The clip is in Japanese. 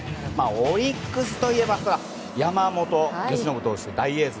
オリックスといえば山本由伸投手という大エース。